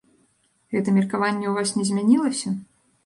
Гэта меркаванне ў вас не змянілася?